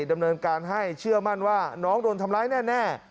ดำเนินการให้เชื่อมั่นว่าน้องโดนทำร้ายแน่